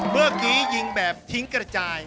เมื่อกี้ยิงแบบทิ้งกระจาย